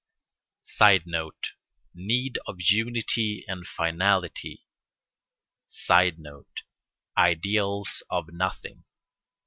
[Sidenote: Need of unity and finality.] [Sidenote: Ideals of nothing.